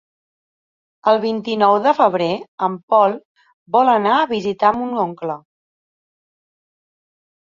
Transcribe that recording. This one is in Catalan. El vint-i-nou de febrer en Pol vol anar a visitar mon oncle.